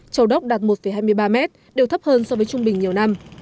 châu đốc đạt một hai mươi ba mét đều thấp hơn so với trung bình nhiều năm